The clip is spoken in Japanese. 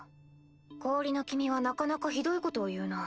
氷の君はなかなかひどいことを言うなぁ。